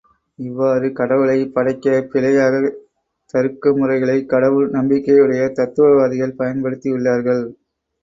இவ்வாறு கடவுளைப் படைக்கப் பிழையாக தருக்க முறைகளைக் கடவுள் நம்பிக்கையுடைய தத்துவவாதிகள் பயன்படுத்தியுள்ளார்கள்.